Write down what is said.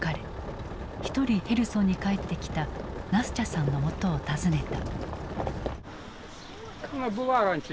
一人ヘルソンに帰ってきたナスチャさんのもとを訪ねた。